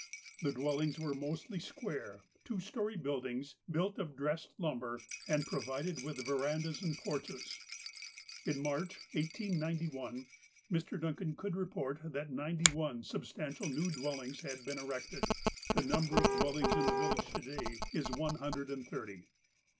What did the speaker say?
The dwellings were mostly square, two storey buildings, built of dressed lumber, and provided with verandahs and porches. In March, 1891, Mr. Duncan could report that ninety one substantial new dwellings had been erected. The number of dwellings in the village to day is one hundred and thirty.